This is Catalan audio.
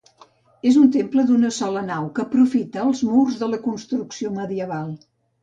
És un temple d'una sola nau que aprofita els murs de la construcció medieval.